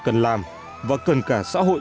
cần làm và cần cả xã hội